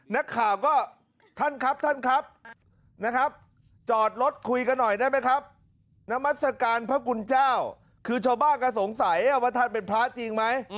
นักข่าวก็ท่านครับท่านครับนะครับจอดรถคุยกันหน่อยได้ไหมครับนามัศกาลพระคุณเจ้าคือชาวบ้านก็สงสัยว่าท่านเป็นพระจริงไหม